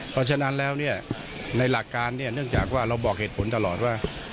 เพราะฉะนั้นแล้วเนี่ยในหลักการเนี่ยเนื่องจากว่าเราบอกเหตุผลตลอดว่า